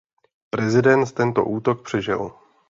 Prezident tento útok přežil.